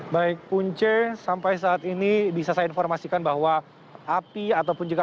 baik punca sampai saat ini bisa saya informasikan bahwa api ataupun juga